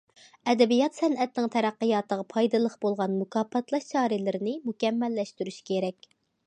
ئەدەبىيات- سەنئەتنىڭ تەرەققىياتىغا پايدىلىق بولغان مۇكاپاتلاش چارىلىرىنى مۇكەممەللەشتۈرۈش كېرەك.